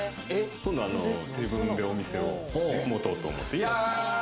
今度、自分でお店を持とうと思ってます。